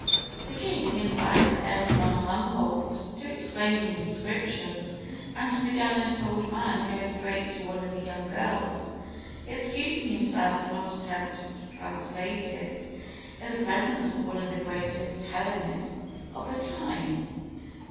The king invites M. von Humboldt to explain the inscription, and the gallant old man goes straight to one of the young girls, excusing himself for not attempting to translate it in the presence of one of the greatest Hellenists of the time.